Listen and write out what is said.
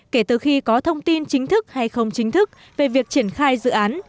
kể từ khi có thông tin chính thức hay không chính thức về việc triển khai dự án